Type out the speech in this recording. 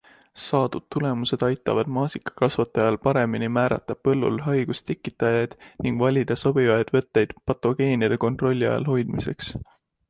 Saadud tulemused aitavad maasikakasvatajal paremini määrata põllul haigustekitajaid ning valida sobivaid võtteid patogeenide kontrolli all hoidmiseks.